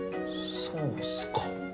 そうっすか。